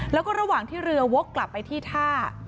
แล้วก็ระหว่างที่เรือวกกลับไปที่ท่า